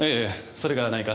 それが何か？